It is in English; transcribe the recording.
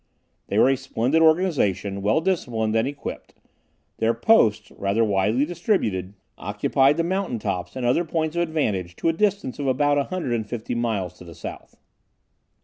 They were a splendid organization, well disciplined and equipped. Their posts, rather widely distributed, occupied the mountain tops and other points of advantage to a distance of about a hundred and fifty miles to the south.